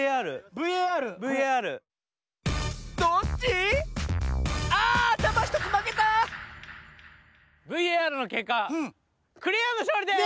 ＶＡＲのけっかクレヨンのしょうりです！